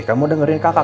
kamu dengerin kakak